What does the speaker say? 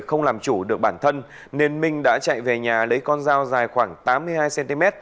không làm chủ được bản thân nên minh đã chạy về nhà lấy con dao dài khoảng tám mươi hai cm